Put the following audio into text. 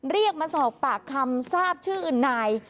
เรียกมาสอบปากคำทราบชื่ออื่นนาย